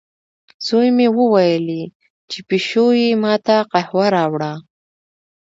زوی مې وویلې، چې پیشو یې ما ته قهوه راوړه.